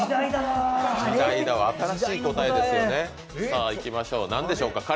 新しい答えですね。